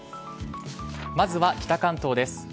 まずは北関東です。